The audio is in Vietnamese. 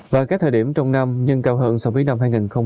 và các thời điểm trong năm nhưng cao hơn so với năm hai nghìn hai mươi một